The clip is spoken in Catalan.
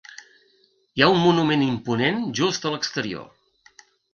Hi ha un monument imponent just a l'exterior.